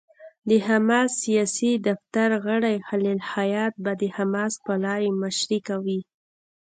د حماس سیاسي دفتر غړی خلیل الحية به د حماس پلاوي مشري کوي.